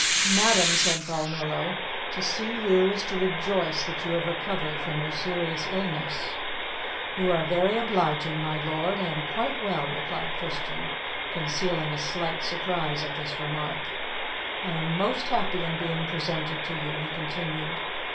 "Madam," said Balnillo, "to see you is to rejoice that you have recovered from your serious illness." "You are very obliging, my lord. I am quite well," replied Christian, concealing a slight surprise at this remark. "I am most happy in being presented to you," he continued.